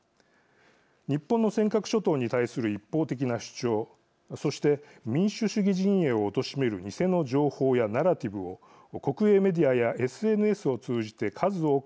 日本の尖閣諸島に対する一方的な主張そして民主主義陣営をおとしめる偽の情報やナラティブを国営メディアやＳＮＳを通じて数多く発信しています。